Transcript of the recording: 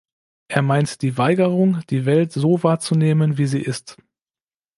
Er meint die Weigerung, die Welt so wahrzunehmen, wie sie ist.